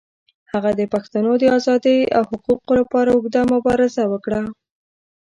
هغه د پښتنو د آزادۍ او حقوقو لپاره اوږده مبارزه وکړه.